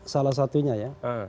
salah satunya ya